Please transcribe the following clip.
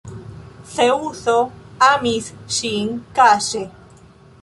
Zeŭso amis ŝin kaŝe.